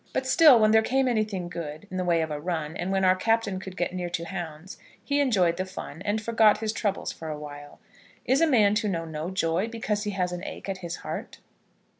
But still, when there came anything good, in the way of a run, and when our Captain could get near to hounds, he enjoyed the fun, and forgot his troubles for a while. Is a man to know no joy because he has an ache at his heart?